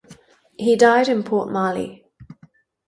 He died in Port-Marly.